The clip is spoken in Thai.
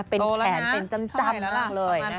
เป็นแขนเป็นจ้ำมากเลยนะคะ